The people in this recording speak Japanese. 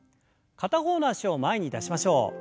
片方の脚を前に出しましょう。